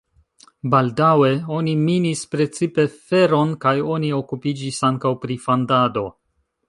Baldaŭe oni minis precipe feron kaj oni okupiĝis ankaŭ pri fandado.